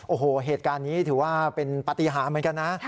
โอ้โหเหตุการณ์นี้ถือว่าเป็นปฏิหารเหมือนกันนะ